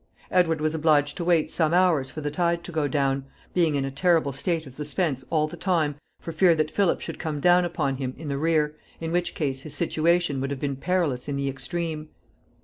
Edward was obliged to wait some hours for the tide to go down, being in a terrible state of suspense all the time for fear that Philip should come down upon him in the rear, in which case his situation would have been perilous in the extreme.